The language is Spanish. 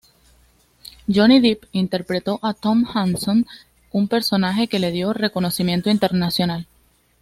Johnny Depp interpretó a Tom Hanson, un personaje que le dio reconocimiento internacional.